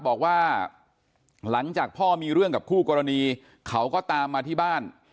บอกว่าหลังจากพ่อมีเรื่องกับคู่กรณีเขาก็ตามมาที่บ้าน